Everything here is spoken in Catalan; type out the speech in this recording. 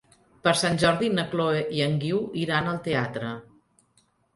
Per Sant Jordi na Chloé i en Guiu iran al teatre.